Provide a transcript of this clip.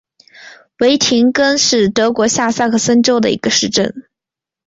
维廷根是德国下萨克森州的一个市镇。